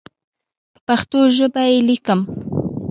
په پښتو ژبه یې لیکم.